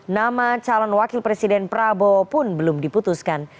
nama calon wakil presiden prabowo pun belum diputuskan